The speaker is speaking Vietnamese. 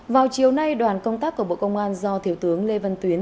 vào chiều nay đoàn công tác của bộ công an do thiếu tướng lê văn tuyến